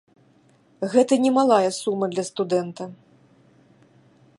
Гэта немалая сума для студэнта.